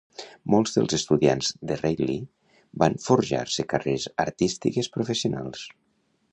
Molts dels estudiants de Reilly van forjar-se carreres artístiques professionals.